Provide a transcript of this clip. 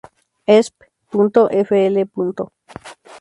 Esp. Fl.